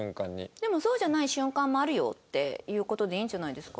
でもそうじゃない瞬間もあるよっていう事でいいんじゃないですか。